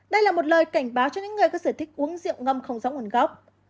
đây là một lời cảnh báo cho những người có sở thích uống rượu ngâm không rõ nguồn gốc